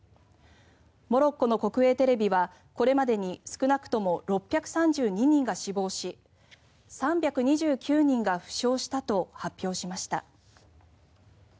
モロッコの国営テレビはこれまでに少なくとも６３２人が死亡し３２９人が負傷したと発表しました。